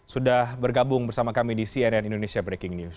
sudah bergabung bersama kami di cnn indonesia breaking news